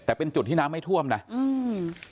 แต่เป็นจุดที่น้ำไม่ท่วมน่ะอืม